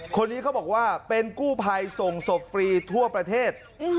คนนี้เขาบอกว่าเป็นกู้ภัยส่งศพฟรีทั่วประเทศ